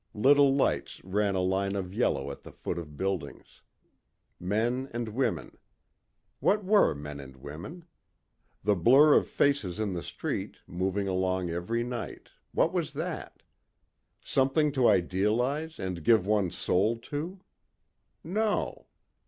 Little lights ran a line of yellow at the foot of buildings. Men and women. What were men and women? The blur of faces in the street, moving along every night, what was that? Something to idealize and give one's soul to? No.